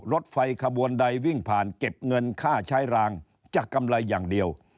รถไฟขบวนใดวิ่งผ่านเก็บเงินค่าใช้รางจะกำไรอย่างเดียว